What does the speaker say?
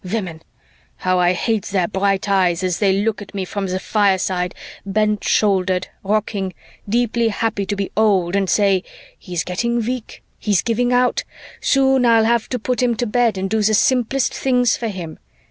"Women! how I hate their bright eyes as they look at me from the fireside, bent shouldered, rocking, deeply happy to be old, and say, 'He's getting weak, he's giving out, soon I'll have to put him to bed and do the simplest things for him.'